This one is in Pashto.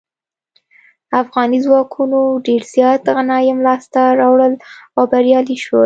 افغاني ځواکونو ډیر زیات غنایم لاسته راوړل او بریالي شول.